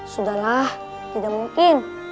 sudahlah tidak mungkin